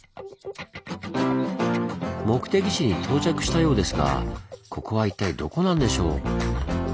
目的地に到着したようですがここは一体どこなんでしょう？